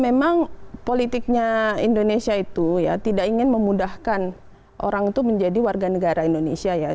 memang politiknya indonesia itu ya tidak ingin memudahkan orang itu menjadi warga negara indonesia ya